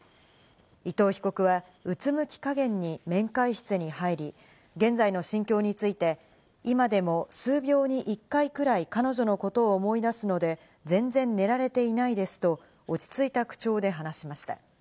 伊藤被告はうつむき加減に面会室に入り、現在の心境について、今でも数秒に１回くらい彼女のことを思い出すので全然寝られていないですと落ち着いた口調で話しました。